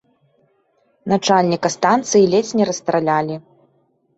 Начальніка станцыі ледзь не расстралялі.